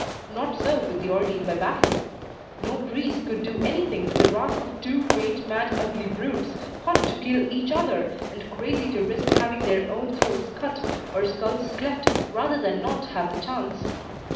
Not so with the ordeal by battle. No priests could do anything with the wrath of two great mad ugly brutes, hot to kill each other, and crazy to risk having their own throats cut or skulls cleft rather than not have the chance.